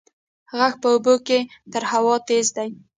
غږ په اوبو کې تر هوا تېز دی.